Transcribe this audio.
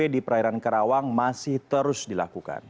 di perairan karawang masih terus dilakukan